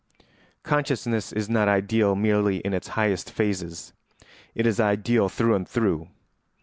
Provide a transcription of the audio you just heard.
] Consciousness is not ideal merely in its highest phases; it is ideal through and through.